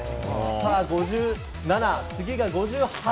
さあ５７、次が５８。